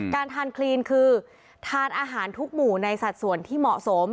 การทานคลีนคือทานอาหารทุกหมู่ในสัดส่วนที่เหมาะสม